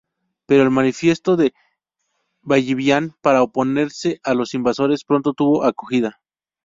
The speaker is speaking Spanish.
Pero el manifiesto de Ballivián para oponerse a los invasores pronto tuvo acogida.